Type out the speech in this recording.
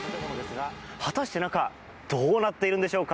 果たして中どうなっているんでしょうか。